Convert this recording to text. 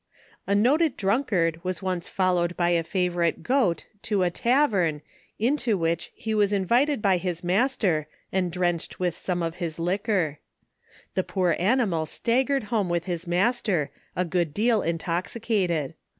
A noted drunkard was once followed by a favourite goat, to a tavern, into which he was invited by bis mas ter, and drenched with some of bis liquor. The poor animal staggered home with his master, a good deal in toxicated.